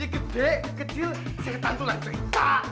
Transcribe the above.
ya gede kecil setan tuh lah cerita